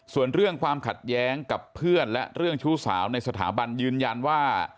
ส่วนเรื่องความขัดแย้งกับเพื่อนและเรื่องชู้สาวในสถาบันยืนยันว่า